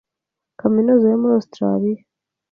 kaminuza yo muri Australia